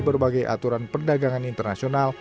berbagai aturan perdagangan internasional